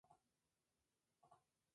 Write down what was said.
Revista Estudios Históricos.